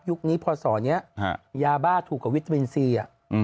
ยุคนี้พออันสองเนี้ยยาบ้าถูกกับวิตามินซีอ่ะ